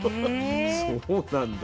そうなんだ。